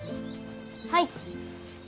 はい。